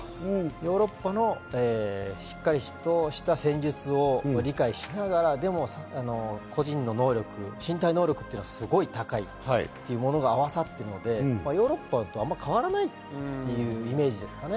モロッコのしっかりとした戦術を理解しながら個人の能力、身体能力はすごい高いというものが合わさったので、ヨーロッパとあまり変わらないというイメージですかね。